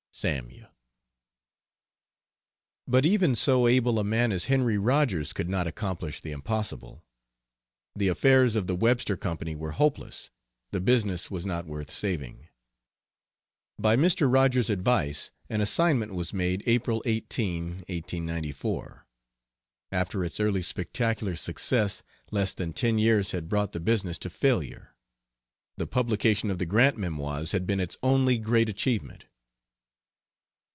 SAML. But even so able a man as Henry Rogers could not accomplish the impossible. The affairs of the Webster Company were hopeless, the business was not worth saving. By Mr. Rogers's advice an assignment was made April, 18, 1894. After its early spectacular success less than ten years had brought the business to failure. The publication of the Grant memoirs had been its only great achievement.